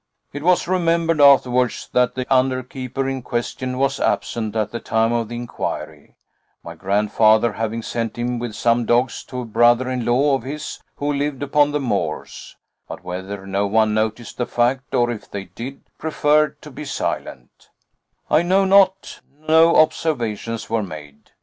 It was remembered afterwards that the under keeper in question was absent at the time of the inquiry, my grandfather having sent him with some dogs to a brother in law of his who lived upon the moors; but whether no one noticed the fact, or if they did, preferred to be silent, I know not, no observations were made.